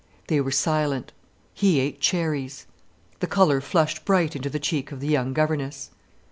They were silent. He ate cherries. The colour flushed bright into the cheek of the young governess.